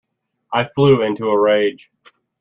I flew into a rage.